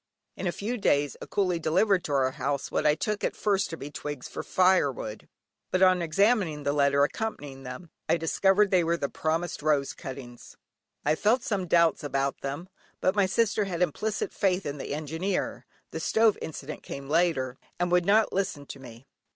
In a few days a coolie delivered at our house, what I took at first to be twigs for fire wood, but on examining the letter accompanying them, I discovered they were the promised rose cuttings. I felt some doubts about them, but my sister had implicit faith in the Engineer (the stove incident came later), and would not listen to me.